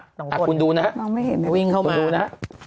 น้ำคุณคุณดูนะครับมันไม่เห็นวิ่งเข้ามา